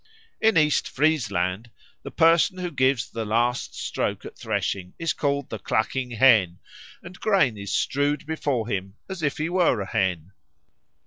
In East Friesland the person who gives the last stroke at threshing is called the Clucking hen, and grain is strewed before him as if he were a hen.